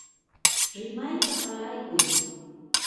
rimayta qalaykuy.